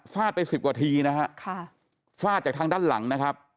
ไปสิบกว่าทีนะฮะค่ะฟาดจากทางด้านหลังนะครับ